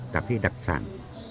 cà phê đặc sản